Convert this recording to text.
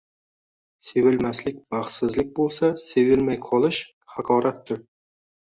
Sevilmaslik baxtsizlik bo’lsa, sevilmay qolish haqoratdir.